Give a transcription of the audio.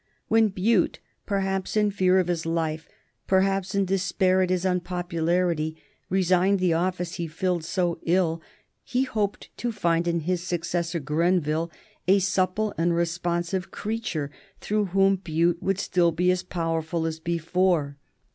When Bute, perhaps in fear for his life, perhaps in despair at his unpopularity, resigned the office he filled so ill, he hoped to find in his successor Grenville a supple and responsive creature, through whom Bute would still be as powerful as before.